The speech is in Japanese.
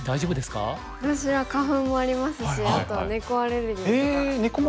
私は花粉もありますしあと猫アレルギーとか。